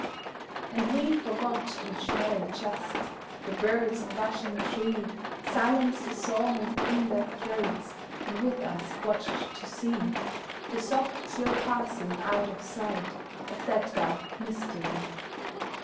And we forgot each merry jest; The birds on bush and tree Silenced the song within their throats And with us watched to see, The soft, slow passing out of sight Of that dark mystery.